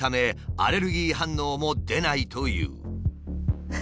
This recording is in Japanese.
アレルギー反応も出ないという。